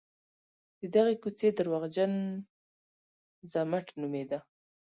د دغې کوڅې درواغجن ضمټ نومېده.